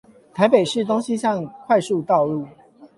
台北市東西向快速道路